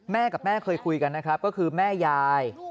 แม่กับแม่เคยคุยกันนะครับก็คือแม่ยาย